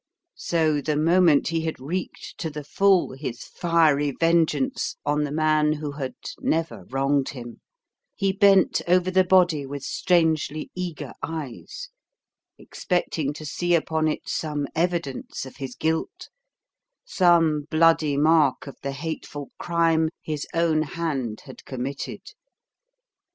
So the moment he had wreaked to the full his fiery vengeance on the man who had never wronged him, he bent over the body with strangely eager eyes, expecting to see upon it some evidence of his guilt, some bloody mark of the hateful crime his own hand had committed.